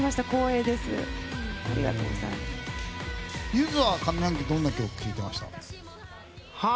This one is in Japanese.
ゆずは上半期どんな曲聞いてました？